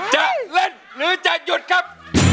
จะเล่นหรือจะหยุดครับ